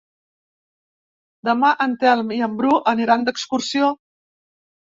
Demà en Telm i en Bru aniran d'excursió.